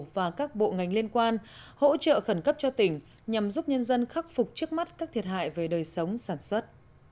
và các bộ ngành liên quan hỗ trợ khẩn cấp cho tỉnh nhằm giúp nhân dân khắc phục trước mắt các thiệt hại về đời sống sản xuất